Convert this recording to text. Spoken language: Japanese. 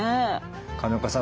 金岡さん